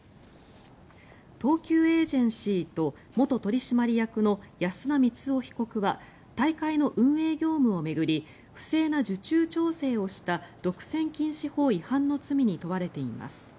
東急エージェンシーと元取締役の安田光夫被告は大会の運営業務を巡り不正な受注調整をした独占禁止法違反の罪に問われています。